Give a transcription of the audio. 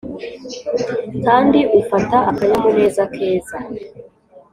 kandi ufata akanyamuneza keza,